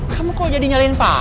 kamu kok jadi nyalin pak